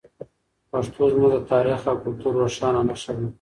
پښتو زموږ د تاریخ او کلتور روښانه نښه ده.